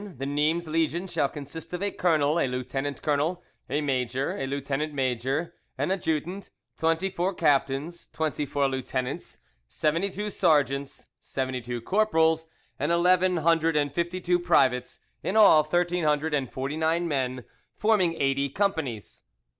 The Nimes Legion shall consist of a colonel, a lieutenant colonel, a major, a lieutenant major, an adjutant, twenty four captains, twenty four lieutenants, seventy two sergeants, seventy two corporals, and eleven hundred and fifty two privates—in all, thirteen hundred and forty nine men, forming eighty companies.